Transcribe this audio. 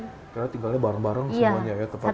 karena tinggalnya bareng bareng semuanya ya